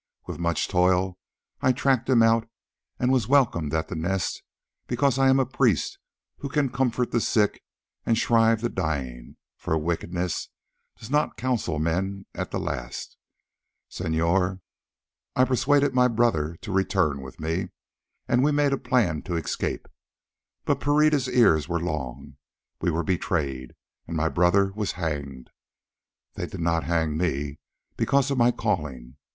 With much toil I tracked him out, and was welcomed at the Nest because I am a priest who can comfort the sick and shrive the dying, for wickedness does not console men at the last, senor. I persuaded my brother to return with me, and we made a plan to escape. But Pereira's ears were long: we were betrayed, and my brother was hanged. They did not hang me, because of my calling.